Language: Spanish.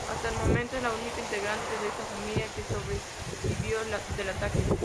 Hasta el momento, es la única integrante de esa familia que sobrevivió del ataque.